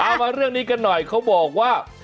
มาเรื่องนี้กันหน่อยเขาบอกว่า